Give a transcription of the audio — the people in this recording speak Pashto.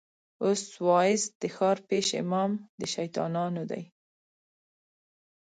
اوس واعظ د ښار پېش امام د شيطانانو دی